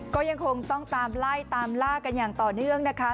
ก็ยังคงต้องตามไล่ตามล่ากันอย่างต่อเนื่องนะคะ